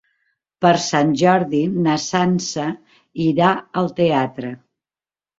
Per Sant Jordi na Sança irà al teatre.